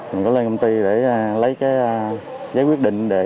mình có lên công ty để lấy cái giấy quyết định để